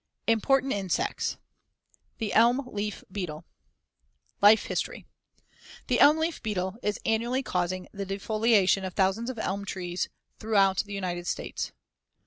IMPORTANT INSECTS THE ELM LEAF BEETLE Life history: The elm leaf beetle, Fig. 100, is annually causing the defoliation of thousands of elm trees throughout the United States.